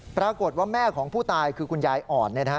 ปรากฏว่าแม่ของผู้ตายคือคุณยายอ่อน